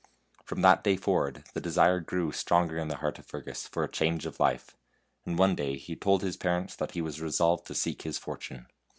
From that day forward the desire grew stronger in the heart of Fergus for a change of life ; and one day he told his parents that he was resolved to seek his fortune.